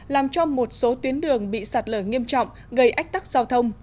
làm cho một số tuyến đường bị sạt lở nghiêm trọng gây ách tắc giao thông